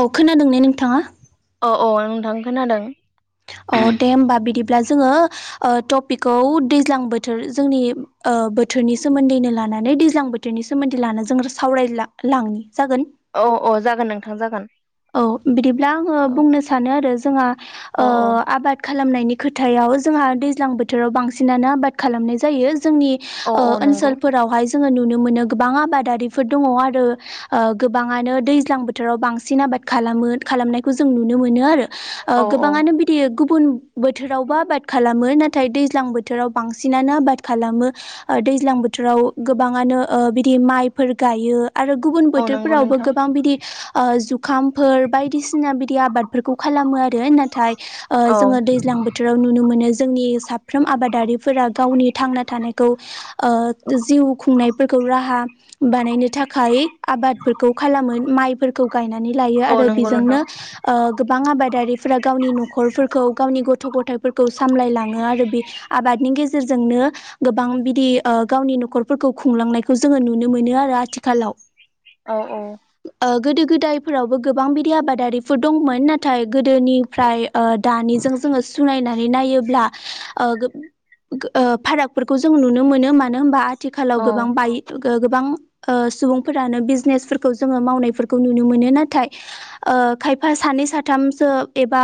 औ खोनादों ने नोंथाङा? औ औ नोंथां खोनादों। अ दे होमबा बिदिब्ला जोङो टपिकखौ दैज्लां बोथोर जोंनि बोथोरनि सोमोन्दैनो लानानै दैज्लां बोथ थोरनि सोमोन्दै लान जों सावराय लांनि जागोन। औ औ जागोन नोंथां जागोन। औ बिदिब्ला आङो औ बुंनो सानो आरो जोंहा ओ औ आबाद। खालामनायनि खोथायाव जोंहा दैज्लां बोथोराव बांसिनानो आबाद खालामनाय जायो जोंनि औ ओ औ नंगौ ओनसोलफोरावहाय जोङो नुनो मोनो गोबां आबादारिफोर दङ आरो ओ गोबाङानो दैज्लां बोथोराव बांसिन आबाद खालामो खालामनायखौ जों नुनो मोनो आरो औ औ गोबाङानो बि दे गुबुन बोथोरावबो आबाद खालामो नाथाय दैज्लां बोथोराव बांसिनानो आबाद खालामो। ओ दैज्लां बोथोराव गोबाङानो ओ बिदि माइफोर गायो। आरो गुबुन औ नंगौ बोथोरफोरावबो नोंथां गोबां बिदि ओ जुखामफोर बायदिसिना बिदि आबाद फोरखौ खालामो आरो नाथाय ओ औ जोङो दैज्लां बोथ बोथोराव नुनो मोनो जोंनि साफ्रोम आबादारिफोरा गावनि थांना थानायखौ ओ जिउ खुंनायफोरखौ राहा बानायनो थाखाय आबादफोरखौ खालामो माइफोरखौ गायनानै लायो औ आरो नंगौ नोंथां बेजोंनो ओ गोबां आबादारिफोरा गावनि न'खरफोरखौ गावनि गथ' गथाय फोरखौ सामलायलाङो आरो बे आबादनि गेजेरजोंनो गोबां बिदि गावनि ओ न'खरफोरखौ खुंलांनायखौ जोङो नुनो मोनो आरो आथिखालाव। औ औ गोदो गोदायफोरावबो गोबां बिदि आबादारिफोर दंमोन नाथाय गोदोनिफ्राय दानिजों जोङो सुनायनानै नाय फारागफोरखौ जों नुनो मोनो मानो होनबा आथिखालाव गोबां औ बाइक गोबां सुबुंफोरानो बिजनेसफोरखौ जोङो मावनायफोरखौ नुनो मोनो ना ाथाय खायफा सानै साथामसो एबा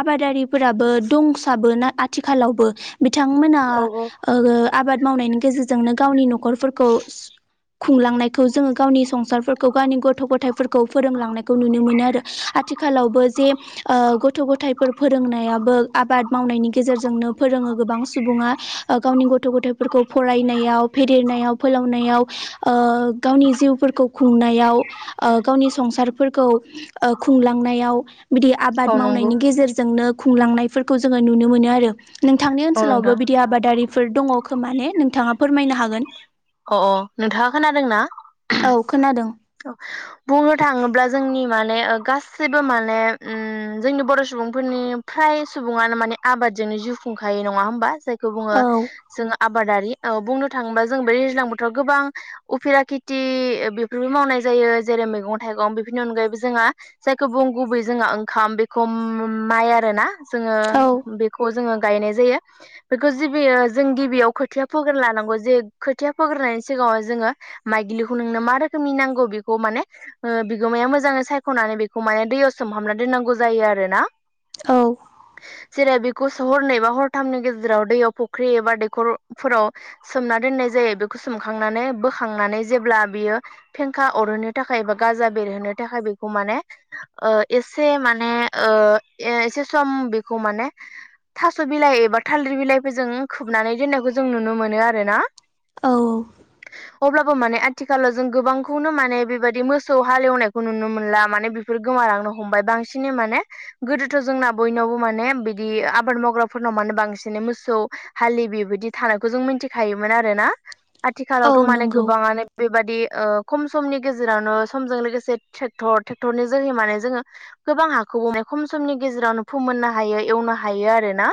आबादारिफोराबो दंसाबो ना आथिखालावबो बिथांमोना औ आबाद मावनायनि गेजेरजोंनो गावनि न'खरफोरखौ खुंलांनायखौ जोङो गावनि संसारफोरखौ गावनि गथ' गथाय थाय फोरोंलांनायखौ नुनो मोनो आरो आथिखालावबो जे ओ गथ' गथाय फोर फोरोंनायाबो आबाद मावनायनि गेजेरजोंनो फोरोङो गोबां सुबुङा। ओ गावनि गथ' गथायफोरखौ फरायनायाव फेदेरनायाव फोलावनायाव ओ गावनि जिउफोरखौ खुंनायाव ओ गावनि संसारफोरखौ खुंलांनायाव। बिदि आबाद औ नंगौ मावनायनि गेजेरजोंनो खुंलांनायफोरखौ जोङो नुनो मोनो आरो नोंथांनि औ ओनसोलावबो नोंथां बिदि दि आबादारिफोर दङ खोमा ने नोंथाङा फोरमायनो हागोन। अ अ नोंथाङा खोनादों ना। औ खोनादों औ बुंनो थाङोब्ला जोंनि माने गासैबो माने जोंनि बर' सुबुंफोरनि फ्राय सुबुङानो माने आबादजोंनो जिउ खुंखायो नङा होमबा जायखौ बुङो औ जोङो आबादारि बुंनो थाङोबा जों बे दैज्लां बोथोराव गोबां उफिरा खेथि बेबो मावनाय जायो जेरै मैगं थाइगं बेफोरनि अनगायैबो जोंहा जायखौ बुं गुबै जोंहा ओंखाम बेखौ माइ आरोना जोङो औ बे खौ जोङो गायनाय जायो बेखौ जिबियो जों गिबियाव खोथिया फोग्रोन लानांगौ जे खोथिया फोग्रोनायनायनि सिगाङाव जोङो माइ गिलिखौ नोंनो मा रोखोमनि नांगौ बेखौ माने बिगोमाया मोजाङै सायख'नानै बेखौ माने दैयाव सोमहाबना दोननांगौ जायो आरो ना औ जेरै बेखौो हरनै बा हरथामनि गेजेराव दैयाव फुख्रि एबा दैखरफोराव सोमना दोननाय जायो बेखौ सोमखांनानै बोखांनानै जेब्ला बियो फेंखा अरहोनो थाखाय एबा गाजा बेरहोनो थाखाय बेखौ माने एसे माने एसे सम बिखौ माने थास' बिलाइ एबा थालदिर बिलाइफोरजों खोबनानै दोननायखौ जों नुनो मोनो आरो ना औ अब्लाबो माने आथिखालाव जों गोबां खौनो माने बेबायदि मोसौ हालेवनायखौ नुनो मोनला माने बेफोर गोमालांनो हमबाय बांसिनै माने गोदोथ' जोंना बयनावबो माने बिदि आबाद मावग्राफोरनाव मानो बांसिनै मोसौ हाललि बेबायदि थानायखौ जों मिथिखायोमोन आरो ना औ आथिखालावथ' माने नंगौ गोबाङानो बेबादि खम समनि गेजेरावनो समजों लोगोसे ट्रेक्टर ट्रेक्टरनि जोहै माने जोङो गोबां हाखौबो माने खम समनि गेजेरावनो फोमोननो हायो एवनो हायो आरो ना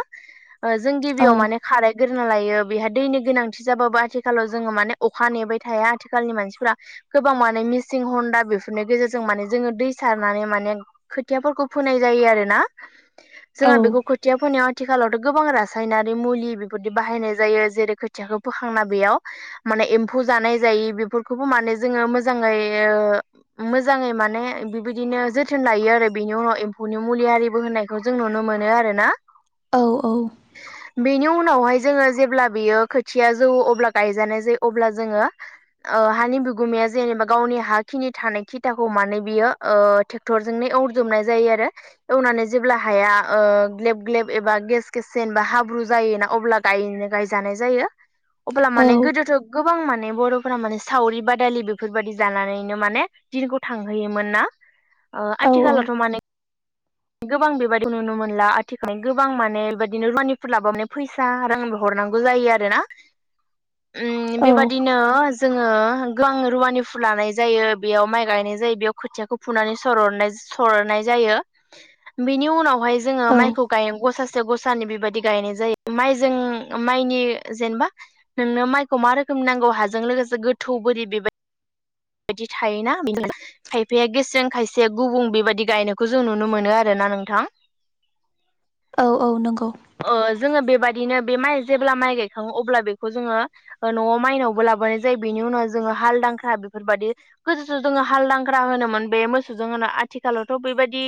जों औ गिबियाव माने खाराय गोरोना लायो बेहा दैनि गोनांथि जाबाबो आथिखालाव जोङो माने अखा नेबाय थाया आथिखालनि मानसिफोरा गोबां माने मिसिं हन्दा बेफोरनि गेजेरजों माने जोङो दै सारनानै माने खोथियाफोरखौ फोनाय जायो आरो ना औ जोंहा बेखौ खोथिया फोनायाव आथिखालावथ' गोबां रासायनारि मुलि बेफोरदि बाहायनाय जायो जेरै खोथियाखौ फोखांना बेयाव माने एम्फौ जानाय जायि बेफोरखौबो माने जोङो मोजाङै ओ। मोजाङै माने बिबिदिनो जोथोन लायो आरो बिनि उनाव एम्फौनि मुलि आरिबो होनाय बेखौ जों नुनो मोनो आरो ना। औ औ बेनि उनावहाय जोङो जेब्ला बेयो खोथिया जौओ अब्ला गायजानाय जायो अब्ला जोङो ओ हानि बि गुमाया जेनेबा गावनि हााखिनि थानाय खिथाखौ माने बियो ओ ट्रेक्टरजोंनो एवजोबनाय जायो आरो। एवनानै जेब्ला हाया ओ ग्लेब ग्लेब एबा गेस गेस जेनेबा हाब्रु जायोना अब्ला गायनो गायजानाय जायो अब्ला औ माने गोदोथ' गोबां माने बर'फोरा माने सावरि बा दालि बेफोरबायदि जानानैनो माने दिनखौ थांहैयोमोन ना ओ आथिखालावथ' माने गोबां बेबायदिखौ नुनो मोनला आथिखालनि गोबां माने बेबादिनो रुवानिफोर लाबा माने फै सा रांबो हरनांगौ जायो आरोना। [inaudible] उम औ बेबादिनो जोङो गोबां रुवानि फुलानाय जायो बेयाव माइ गायनाय जायो बेयाव खोथियाखौ फुनानै सरनाय सरनाय जायो। बिनि उनावहाय जोङो औ माइखौ गाय गसासे गसानि बेबायदि गायनाय जायो माइजों माइनि जेनेबा, नोंनो माइखौ मा रोखोमनि नांगौ हाजों लोगोसे गोथौ बोरि बेबाय बिदि थायोना बेदिनो खायफाया गेसें खायसेया गुबुं बेबायदि गायनायखौ जों नुनो मोनो आरो ना नोंथां। औ औ नोंगौ। ओ जोङो बेबादिनो बे माइ जेब्ला माइ गायखाङो अब्ला बेखौ जोङो ओ न'आव माइनावबो लाबोनाय जायो बेनि उनाव जोङो हाल दांख्रा [unintelligible] बेफोरबायदि गोदोथ' जोङो हालदांग्रा होनोमोन बे मोसौजों होनो आथिखालावथ' बेबायदि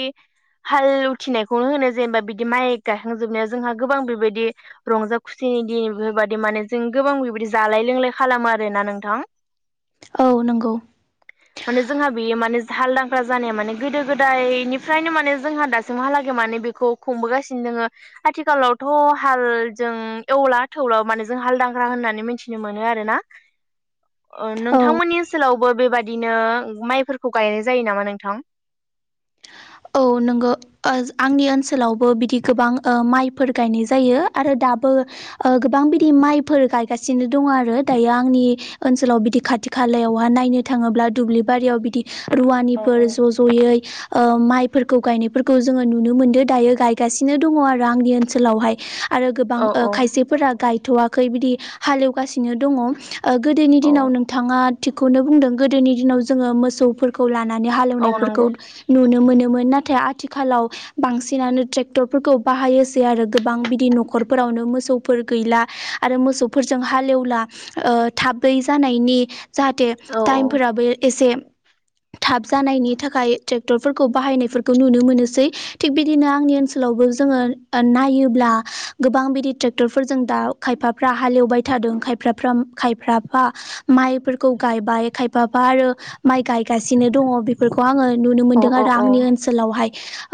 हाल उथिनायखौनो होनो जेनेबा बिदि माइ गायखांजोबनाया जोंहा गोबां बेबायदि रंजा खुसिनि दिन बेफोरबायदि माने जों गोबां बेबायदि जालाय लोंलाय खालामो आरोना नोंथां। औ नोंगौ माने जोंहा बियो माने हाल दांख्रा जानाया माने गोदो गोदाय निफ्रायनो माने जोंहा दासिमहालागै माने बेखौ खुंबो गासिनो दोङो। आथिखालावथ' हालजों एवला थौला माने जों हाल दांग्रा होननानै मिथिनो मोनो आरोना। [inaudible] ओ औ नोंथांमोननि ओनसोलावबो बेबादिनो माइफोरखौ गायनाय जायो नामा नोंथां? औ नोंगो। ओ आंनि ओनसोलावबो बिदि गोबां ओ माइफोर गायनाय जायो आरो दाबो। ओ गोबां बिदि माइफोर गायगासिनो दङो आरो दायो आंनि ओनसोलाव बिदि खाथि खालायावहा नायनो थाङोब्ला दुब्लि बारियाव बिदि औ रुवानिफोर औ ज' ज'यै ओ माइ गायनायफोरखौ जोङो नुनो मोनदों दायो गायगासिनो दङ' आरो आंनि ओनसोलावहाय आरो गोबां औ ओ औ खायसेफोरा गायथ'वाखै बिदि हाल एवगासिनो दङ'। ओ गोदोनि औ दिनाव नोंथाङा थिखौनो बुंदों गोदोनि दिनाव जोङो मोसौफोर खौ लानानै औ हालेवनायफोरखौ नंगौ नुनो मोनोमोन नाथाय आथिखालाव बांसिनानो ट्रेक्टरफोरखौ बाहायोसै आरो गोबां बिदि न'खरफोरावनो मोसौफोर गैला। आरो मोसौफोरजों हालेवला ओ थाबै जानायनि जाहाथे औ टाइम फोराबो एसे थाब जानायनि थाखाय ट्रेक्टरफोरखौ बाहायनो फोरखौ नुनो मोनोसै थिग बिदिनो आंनि ओनसोलावबो जोङो नायोब्ला गोबां बिदि ट्रेक्टरफोरजों दा खायफाफ्रा हालेवबाय थादों खायफ्राफ्रा खायफ्राफा माइफोरखौ गायबाय खायफाबा आरो माइ गायगासिनो दङ बेफोरखौ आङो नुनो औ मोनदों औ आरो औ आंनि ओन ओनसोलावहाय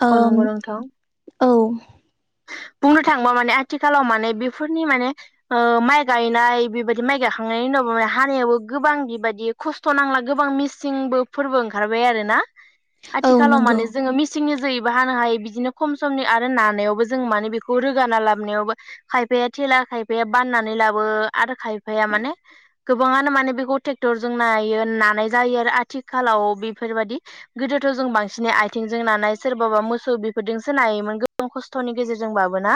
ओ औ नंगौ नोंथां औ बुंनो थांबा माने आथिखालाव माने बेफोरनि माने ओ माइ गायनाय बेबायदि माइ गायखांनायनि उनाव माने हानियाबो गोबां बेबायदि खस्थ' नांला गोबां मिसिंबो फोरबो ओंखारबाय आरो ना। [inaudible] आथिखालाव नंगौ माने जोङो मेसिंनि जोहैबो हानो हायो बिदिनो खम समनि आरो नानायावबो जों माने बेखौ रोगाना लाबोनायावबो खायफाया थेला खायफाया बाननानै लाबो आरो खायफाया माने गोबाङानो माने बेखौ ट्रेक्टरजों नायो नानाय जायो आरो आथिखालाव बेफोरबायदि गोदोथ' जों बांसिन आथिंजों नानाय सोरबाबा मोसौ बेफोरजोंसो नायोमोन गोबां खस्थ' खासथनि गेजेरजोंबाबोना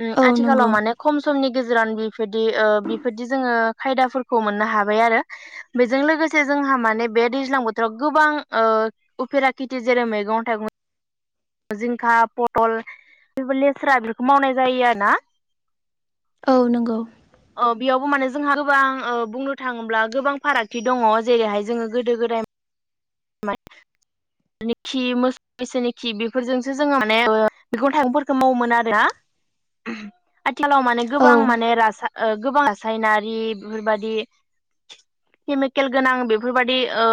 उ औ आथिखालाव नंगौ माने खम समनि गेजेरावनो बेफोरदि ओ बेफोरदि जोङो खायदाफोरखौ मोननो हाबाय आरो। बेजों लोगोसे जोंहा माने बे दैज्लां बोथोराव गोबां ओ उफेरा खेथि जेरै मैगं थाइगं जिंखा पटल बेबो लेस्रा बेफोरखौ मावनाय जायो आरो ना औ नंगौ ओ बेयावबो माने जोंहा गोबां बुंनो थाङोब्ला गोबां फारागथि दङ जेरैहाय जोङो गोदो गोदाय [inaudible] खि मोसौ बिसनिखि बेफोरजोंसो जोङो माने मैगं थाइगंफोरखौ मावोमोन आरो ना। आथिखालाव माने गोबां औ माने गोबां रासायनारि बेफोरबादि केमिकेल गोनां बेफोरबायदि ओ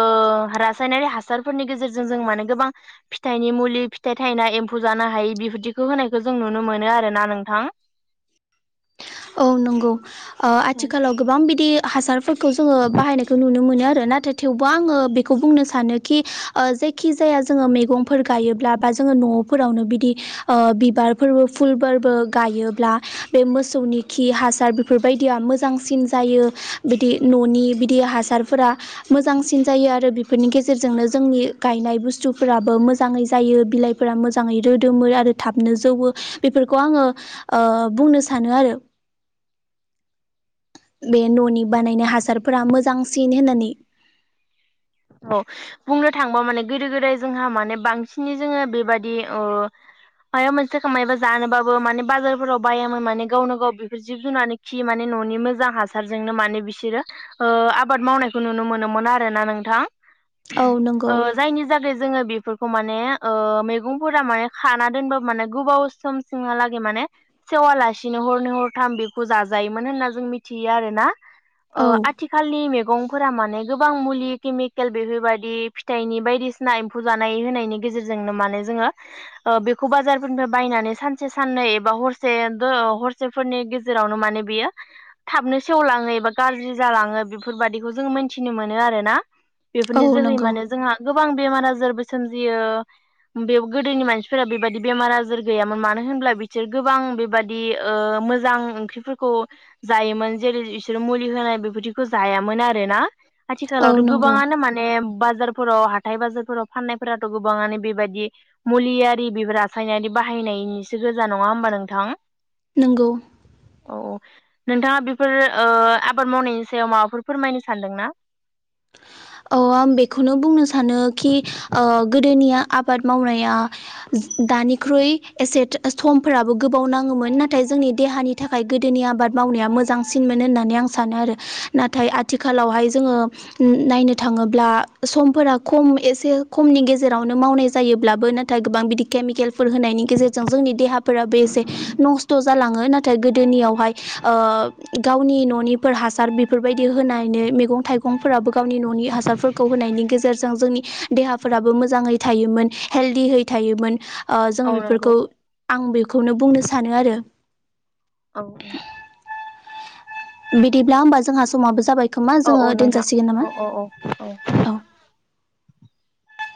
रासायनारि हासारफोरनि गेजेरजों जों माने गोबां फिथाइनि मुलि फिथाइ थायना एम्फौ जानो हायि बेफोरदिखौ होनायखौ जों नुनो मोनो आरोना नोंथां। औ नंगौ ओ आथिखालाव गोबां बिदि हासारफोरखौ जोङो बाहायनायखौ नुनो मोनो आरो नाथाय थेवबो आङो बेखौ बुंनो सानो कि ओ जायखि जाया जोङो मैगंफोर गायोब्ला बा जोङो न'फोरावनो बिदि ओ बिबारफोरबो फुलफोरबो गायोब्ला बे मोसौनि खि हासार बेफोरबायदिया मोजांसिन जायो बिदि न'नि बिदि हासारफोरा मोजांसिन जायो आरो बेफोरनि गेजेरजोंनो जोंनि गायनाय बुस्थुफोराबो मोजाङै जायो बिलाइ फोर मोजाङै रोदोमो आरो थाबनो जौवो बेफोरखौ आङो ओ बुंनो सानो आरो। बे न'नि बानायनाय हासारफोरा मोजांसिन होननानै औ बुंनो थांबा माने गोदो गोदाय जोंहा माने बांसिनै जोङो बेबादि ओ मायबा मोनसे सम मायबा जानोबाबो माने बाजारफोराव बायामोन माने गावनो गाव बेफोर जिब जुनारनि खि माने न'नि मोजां हासारजोंनो माने बिसोरो ओ आबाद मावनायखौ नुनो मोनोमोन आरोना नोंथां औ नंगौ ओ जायनि जागो जोङो बेफोरखौ माने ओ मैगंफोरा माने खाना दोनबाबो माने गोबाव समसिमहालागै माने सेवालासिनो हरनो हरथाम बेखौ जाजायोमोन होनना जों मिथियो आरो ना ओ औ आथिखालनि मैगंफोरा माने गोबां मुलि केमिक केेल बेफोबायदि फिथाइनि बायदिसिना एम्फौ जानाय होनायनि गेजेरजोंनो माने जोङो ओ बेखौ बाजारफोरनिफ्राय बायनानै सानसे साननै एबा हरसे हरसे फोरनि गेजेरावनो माने बियो थाबनो सेवलाङो एबा गाज्रि जालाङो बेफोरबायदिखौ जोङो मिन्थिनो मोनो आरोना औ बेफोरनि जोहै नंगौ माने जोंहा गोबां बेमार आजारबो सोमजियो। बे गोदोनि मानसिफोरा बेबायदि बेमार आजार गैयामोन मानो होनब्ला बिसोर गोबां बेबायदि बिदि ओ मोजां ओंख्रिफोरखौ जायोमोन जेरै बिसोरो मुलि होनाय बेबायदिखौ जायामोन आरोना औ आथिखालावथ' नंगौ गोबाङानो माने बाजारफोराव हाथाय बाजारफोराव फाननायफोराथ' गोबाङानो बेबायदि मुलियारि बे रासायनारि बाहायनायनिसो गोजा नङा होमबा नोंथां। नोंगौ औ औ नोंथाङा बेफोर ओ आबाद मावनायनि सायाव माबाफोर फोरमायनो सानदोंना? औ आं बेखौनो बुंनो सानो खि ओ गोदोनिया आबाद मावनाया दानिख्रुइ एसे समफोराबो गोबाव नाङोमोन नाथाय जोंनि देहानि थाखाय गोदोनि आबाद मावनाया मोजांसिन मोन होननानै आं सानो आरो नाथाय आथिखालावहाय जोङो उम नायनो थाङोब्ला समफोरा खम एसे खमनि गेजेरावनो मावनाय जायोब्लाबो नाथाय गोबां बिदि केमिकेलफोर होनायनि गेजेरजों जोंनि देहाफोराबो एसे नस्थ' जालाङो नाथाय गोदोनियावहाय। ओ गावनि न'निफोर हासार बेफोरबायदि होनायनि मैगं थाइगंफोराबो गावनि न'आव हासारफोरखौ होनायनि गेजेर जों जोंनि देहाफोराबो मोजाङै थायोमोन हेलदियै थायोमोन। ओ जोङो औ नंगौ बिफोरखौ आं बेखौनो बुंनो सानो आरो। [unintelligible] बिदिब्ला होमबा जोंहा समाबो जाबाय खोमा औ जोङो औ नोंथां दोनजासिगोन नामा? औ औ औ औ